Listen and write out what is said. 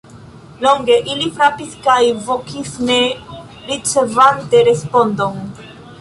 Longe ili frapis kaj vokis, ne ricevante respondon.